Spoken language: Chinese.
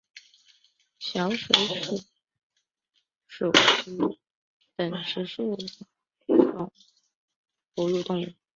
小水鼠属等之数种哺乳动物。